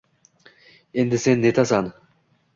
endi sen netasan